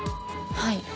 はい。